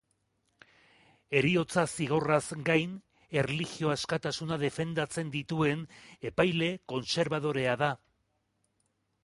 Heriotza-zigorraz gain, erlijio-askatasuna defendatzen dituen epaile kontserbadorea da.